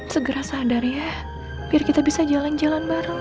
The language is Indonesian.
segera sadar ya biar kita bisa jalan jalan bareng